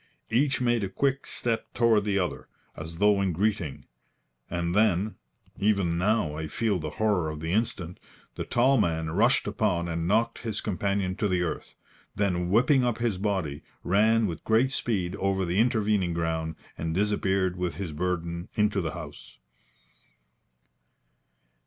Each made a quick step toward the other, as though in greeting, and then even now I feel the horror of the instant the tall man rushed upon and knocked his companion to the earth, then whipping up his body, ran with great speed over the intervening ground and disappeared with his burden into the house.